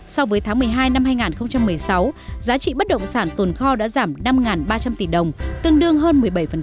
so với tháng một mươi hai năm hai nghìn một mươi sáu giá trị bất động sản tồn kho đã giảm năm ba trăm linh tỷ đồng tương đương hơn một mươi bảy